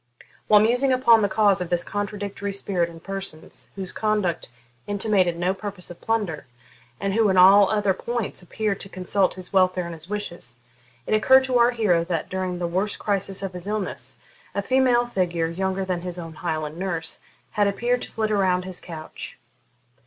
While musing upon the cause of this contradictory spirit in persons whose conduct intimated no purpose of plunder, and who, in all other points, appeared to consult his welfare and his wishes, it occurred to our hero that, during the worst crisis of his illness, a female figure, younger than his old Highland nurse, had appeared to flit around his couch.